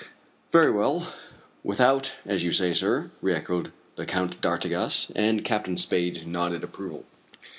"Very well without, as you say, sir," re echoed the Count d'Artigas, and Captain Spade nodded approval.